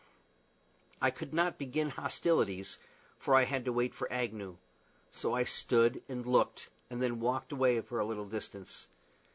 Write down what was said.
I could not begin hostilities, for I had to wait for Agnew; so I stood and looked, and then walked away for a little distance.